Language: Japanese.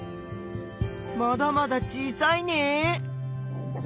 まだまだ小さいね。